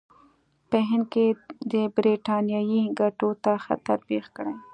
په هند کې د برټانیې ګټو ته خطر پېښ کړي.